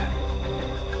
itu terserah padamu